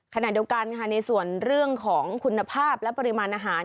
ขณะเดียวกันค่ะในส่วนของคุณภาพและปริมาณอาหาร